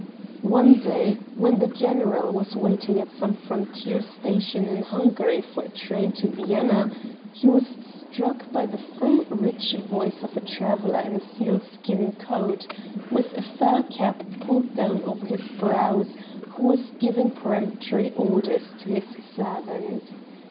One day, when the general was waiting at some frontier station in Hungary for a train to Vienna, he was struck by the full rich voice of a traveller in a seal skin coat, with a fur cap pulled down over his brows, who was giving peremptory orders to his servant.